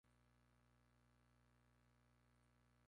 El personaje en sí es rudo, seguro de sí mismo, pero poco reflexivo.